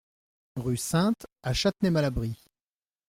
Rue Sintes à Châtenay-Malabry